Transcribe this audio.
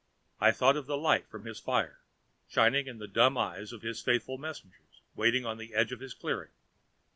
I thought of the light from his fire, shining on the dumb eyes of his faithful messengers waiting at the edge of his clearing.